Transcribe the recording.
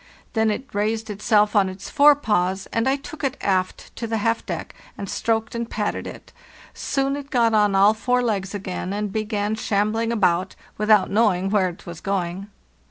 Then it raised itself on its fore paws, and I took it aft to the halfdeck and stroked and patted it. Soon it got on all four legs again, and began shambling about, without knowing where it was going.